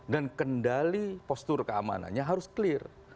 dan kendali postur keamanannya harus clear